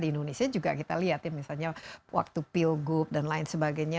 di indonesia juga kita lihat ya misalnya waktu pilgub dan lain sebagainya